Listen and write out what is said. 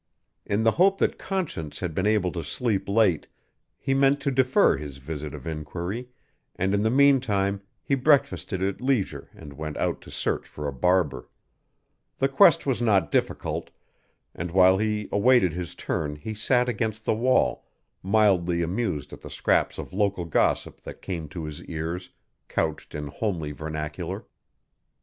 In the hope that Conscience had been able to sleep late, he meant to defer his visit of inquiry, and in the meantime he breakfasted at leisure and went out to search for a barber. The quest was not difficult, and while he awaited his turn he sat against the wall, mildly amused at the scraps of local gossip that came to his ears couched in homely vernacular.